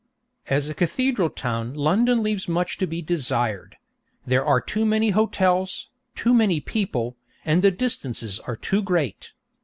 As a cathedral town London leaves much to be desired. There are too many hotels, too many people, and the distances are too great.